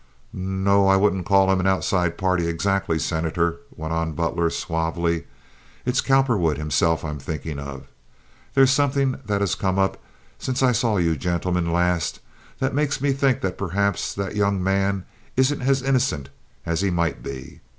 "No o. I wouldn't call him an outside party, exactly, Senator," went on Butler suavely. "It's Cowperwood himself I'm thinkin' of. There's somethin' that has come up since I saw you gentlemen last that makes me think that perhaps that young man isn't as innocent as he might be.